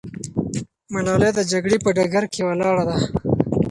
ملالۍ د جګړې په ډګر کې ولاړه ده.